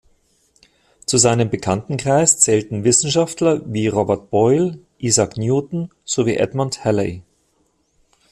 Zu seinem Bekanntenkreis zählten Wissenschaftler wie Robert Boyle, Isaac Newton sowie Edmond Halley.